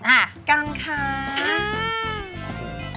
อ่ะกังคังอ้าว